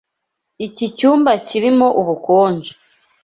Iki cyumba kirimo ubukonje.